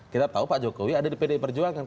kita tahu pak jokowi ada di pdi perjuangan